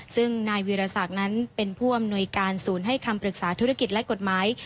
ซึ่งนายวิรสักนั้นเป็นผู้อำนวยการศูนย์ให้คำปรึกษาธุรกิจและกฎหมาย